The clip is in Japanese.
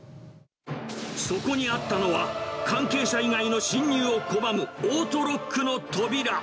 そこにあったのは、関係者以外の侵入を拒むオートロックの扉。